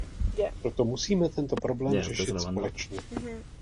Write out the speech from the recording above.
Proto musíme tento problém řešit společně.